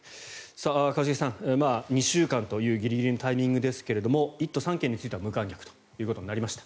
一茂さん、２週間というギリギリのタイミングですけど１都３県については無観客ということになりました。